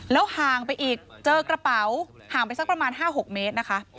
ห่างไปอีกเจอกระเป๋าห่างไปสักประมาณ๕๖เมตรนะคะ